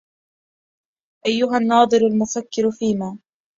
أيها الناظر المفكر فيما